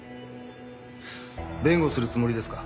弁護するつもりですか？